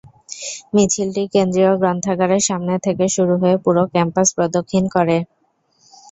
মিছিলটি কেন্দ্রীয় গ্রন্থাগারের সামনে থেকে শুরু হয়ে পুরো ক্যাম্পাস প্রদক্ষিণ করে।